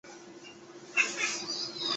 刘邕是南北朝时期南朝宋官员。